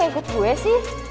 kan gak ikut gue sih